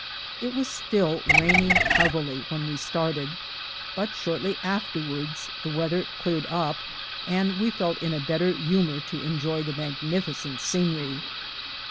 It was still raining heavily when we started, but shortly afterwards the weather cleared up, and we felt in better humor to enjoy the mag nificent scenery.